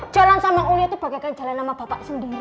jalan sama uya tuh bagaikan jalan sama papa sendiri